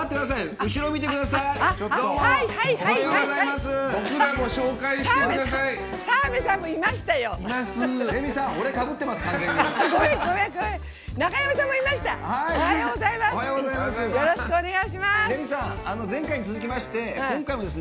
おはようございます。